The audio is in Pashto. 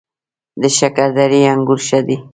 د شکردرې انګور ښه دي